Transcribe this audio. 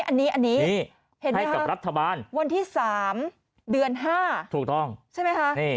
อันนี้อันนี้อันนี้ให้กับรัฐบาลวันที่๓เดือน๕ใช่ไหมคะ